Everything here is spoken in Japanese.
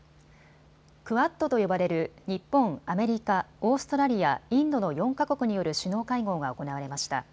クアッドと呼ばれる日本、アメリカ、オーストラリア、インドの４か国による首脳会合が行われました。